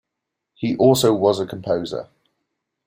He also was a composer.